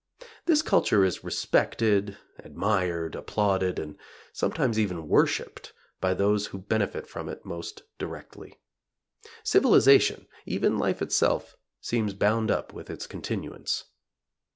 This culture is respected, admired, applauded, and sometimes even worshipped by those who benefit from it most directly. Civilization even life itself seems bound up with its continuance.